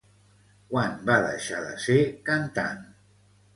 Quan va deixar de ser cantant?